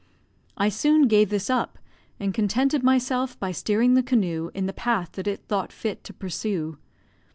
I soon gave this up, and contented myself by steering the canoe in the path that it thought fit to pursue.